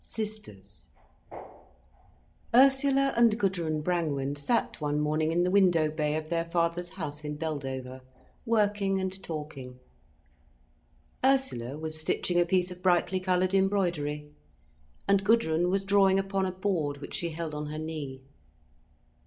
SISTERS Ursula and Gudrun Brangwen sat one morning in the window bay of their father's house in Beldover, working and talking. Ursula was stitching a piece of brightly coloured embroidery, and Gudrun was drawing upon a board which she held on her knee.